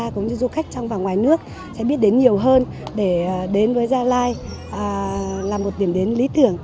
cũng như du khách trong và ngoài nước sẽ biết đến nhiều hơn để đến với gia lai là một điểm đến lý tưởng